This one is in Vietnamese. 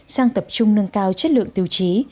sang tập trung nâng cao chất lượng tiêu chí